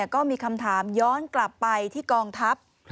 ก็มีคำถามย้อนกลับไปที่กองทัพ